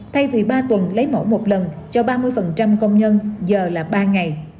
thay vì ba tuần lấy mẫu một lần cho ba mươi công nhân giờ là ba ngày